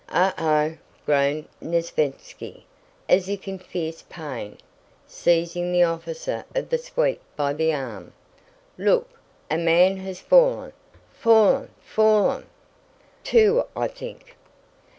"Oh! Oh!" groaned Nesvítski as if in fierce pain, seizing the officer of the suite by the arm. "Look! A man has fallen! Fallen, fallen!" "Two, I think."